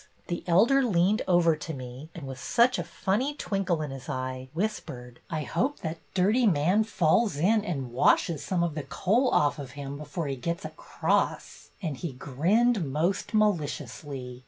The Elder leaned over to me and with such a funny twinkle in his eye, whis pered, ' I hope that dirty man falls in and washes some of the coal off of him before he gets across,' and he grinned most mali ciously.